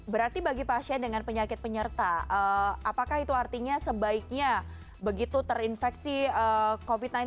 berarti bagi pasien dengan penyakit penyerta apakah itu artinya sebaiknya begitu terinfeksi covid sembilan belas